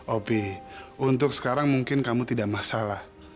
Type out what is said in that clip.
opi untuk sekarang mungkin kamu tidak masalah